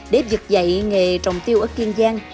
đếp dự dạy nghề trồng tiêu ở kiên giang